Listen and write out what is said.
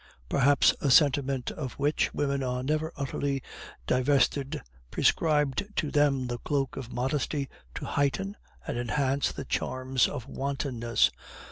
Perhaps a sentiment of which women are never utterly divested prescribed to them the cloak of modesty to heighten and enhance the charms of wantonness.